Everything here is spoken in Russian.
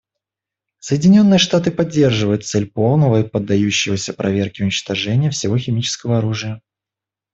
Соединенные Штаты поддерживают цель полного и поддающегося проверке уничтожения всего химического оружия.